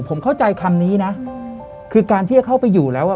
ผมเข้าใจคำนี้นะคือการที่จะเข้าไปอยู่แล้วอ่ะ